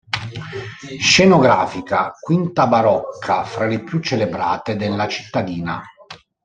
Scenografica quinta barocca fra le più celebrate della cittadina.